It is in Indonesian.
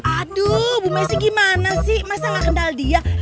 aduh bu messi gimana sih masa nggak kendal dia